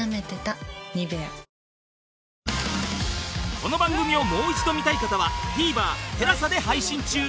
この番組をもう一度見たい方は ＴＶｅｒＴＥＬＡＳＡ で配信中